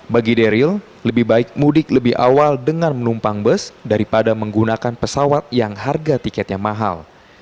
bagi daryl lebih baik mudik lebih awal dengan menumpang bus daripada menggunakan pesawat yang harga tiketnya mahal